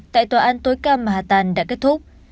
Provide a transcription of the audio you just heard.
tại tòa án tối cao mà hà tàn đã kết thúc